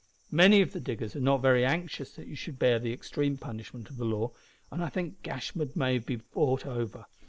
Many of the diggers are not very anxious that you should bear the extreme punishment of the law, and I think Gashford may be bought over.